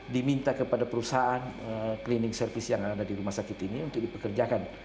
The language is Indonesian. diminta kepada perusahaan cleaning service yang ada di rumah sakit ini untuk dipekerjakan